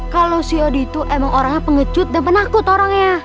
kalau si odi itu emang orangnya pengejut dan menakut orangnya